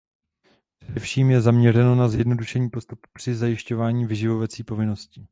Především je zaměřeno na zjednodušení postupu při zjišťování vyživovací povinnosti.